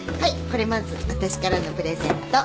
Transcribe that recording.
これまず私からのプレゼント。